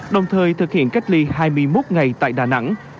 đồng thời thực hiện cách ly hai mươi một ngày tại đà nẵng